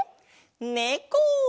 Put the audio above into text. ねこ！